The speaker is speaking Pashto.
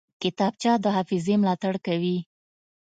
کتابچه د حافظې ملاتړ کوي